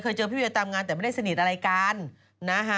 เคยเจอพี่เวียร์ตามงานแต่ไม่ได้สนิทอะไรกัน